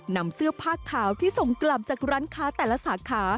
นำเสื้อผ้าขาวที่ส่งกลับจากร้านค้าแต่ละสาขา